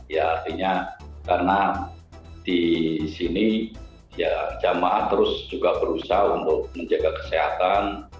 ya artinya karena di sini ya jamaah terus juga berusaha untuk menjaga kesehatan